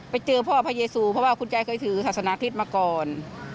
ไปเจอพ่อพระเยซูเพราะว่าคุณยายเคยถือศาสนาทิศมาก่อน